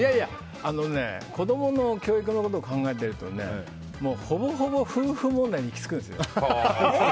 子供の教育のことを考えているとほぼほぼ夫婦問題に行き着くんですよ。